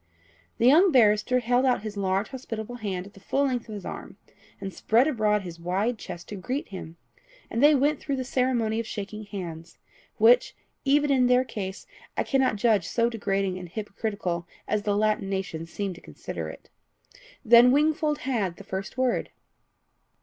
The young barrister held out his large hospitable hand at the full length of his arm, and spread abroad his wide chest to greet him, and they went through the ceremony of shaking hands, which, even in their case, I cannot judge so degrading and hypocritical as the Latin nations seem to consider it. Then Wingfold had the first word.